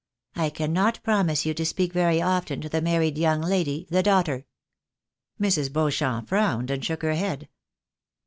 I cannot promise you to speak very often to the married young lady, the daughter." Mrs. Beauchamp frowned, and shook her head.